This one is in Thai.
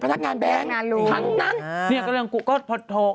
พนักงานแบงค์พนักงานลุงทั้งนั้น